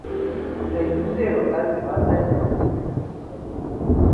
La industria local se basa en la extracción de petróleo.